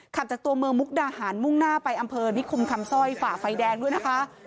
ขับจากตัวเมืองมุกดาหารมุ่งหน้าไปอำเภอนิคมคำสร้อยฝ่าไฟแดงด้วยนะคะ